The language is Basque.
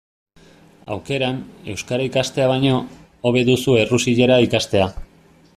Aukeran, euskara ikastea baino, hobe duzu errusiera ikastea.